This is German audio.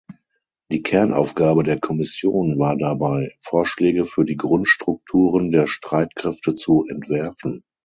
Die Kernaufgabe der Kommission war dabei, Vorschläge für die Grundstrukturen der Streitkräfte zu entwerfen.